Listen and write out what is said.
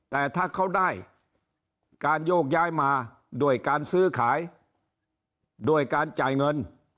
แต่ถ้าเขาได้การโยกย้ายมาด้วยการซื้อขายด้วยการจ่ายเงิน